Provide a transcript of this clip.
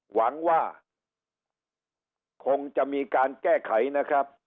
หวังว่าคงจะมีการแก้ไขนะครับ